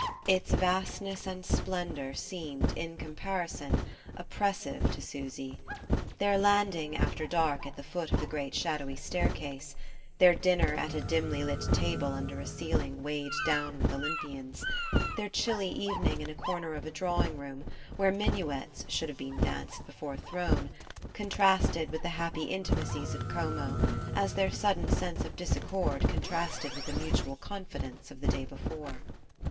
Its vastness and splendour seemed, in comparison, oppressive to Susy. Their landing, after dark, at the foot of the great shadowy staircase, their dinner at a dimly lit table under a ceiling weighed down with Olympians, their chilly evening in a corner of a drawing room where minuets should have been danced before a throne, contrasted with the happy intimacies of Como as their sudden sense of disaccord contrasted with the mutual confidence of the day before.